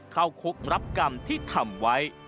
เข้าคุกรับกรรมที่ทำไว้